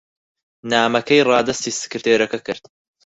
نامەکەی ڕادەستی سکرتێرەکە کرد.